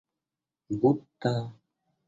будто